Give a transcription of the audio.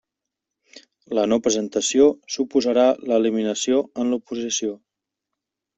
La no presentació suposarà l'eliminació en l'oposició.